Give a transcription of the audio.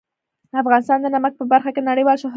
افغانستان د نمک په برخه کې نړیوال شهرت لري.